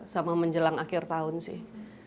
sama menjelang akhir tahun sih